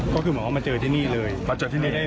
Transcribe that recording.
ก็คือเหมือนว่ามาเจอที่นี่เลย